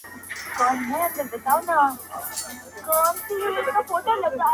موږه غله نه يوو چي د غلو طرفدارې به کوو~